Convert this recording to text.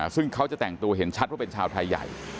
ซึ่งเขาจะแต่งตัวเห็นชัดว่าเป็นชาวไทยใหญ่